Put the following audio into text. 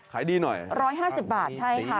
ขายดีหน่อย๑๕๐บาทใช่ค่ะ